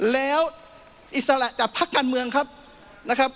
แล้วอิสระจากภาคการเมืองครับ